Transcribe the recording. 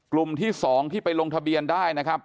กลุ่มที่๒ที่ไปลงทะเบียนได้นะครับ